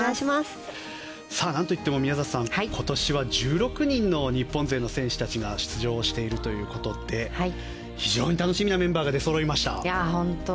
何といっても、宮里さん今年は１６人の日本勢の選手たちが出場しているということで非常に楽しみなメンバーが出そろいました。